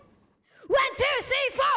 ワントゥースリーフォー！